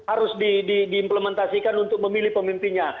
harus diimplementasikan untuk memilih pemimpinnya